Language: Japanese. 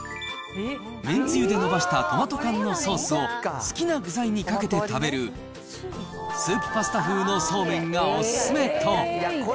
めんつゆでのばしたトマト缶のソースを、好きな具材にかけて食べる、スープパスタ風のそうめんがお勧めと。